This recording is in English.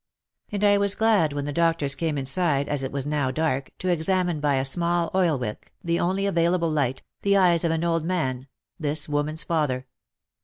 " And I was glad when the doctors came inside, as it was now dark, to examine by a small oil wick, the only available light, the eyes of an old man — this woman's father.